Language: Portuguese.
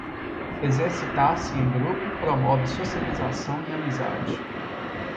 Exercitar-se em grupo promove socialização e amizade.